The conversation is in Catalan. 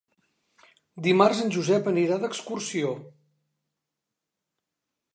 Dimarts en Josep anirà d'excursió.